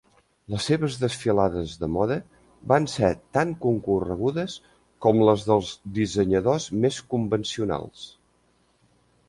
Les seves desfilades de moda van ser tan concorregudes com les dels dissenyadors més convencionals.